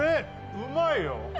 うまいよ。